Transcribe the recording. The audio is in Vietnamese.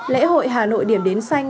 lễ hội hà nội điểm đến xanh